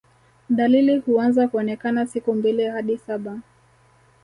Dalili huanza kuonekana siku mbili hadi saba